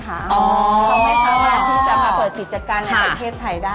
เขาไม่ทราบว่าที่จะมาเปิดติดจัดการในประเทศไทยได้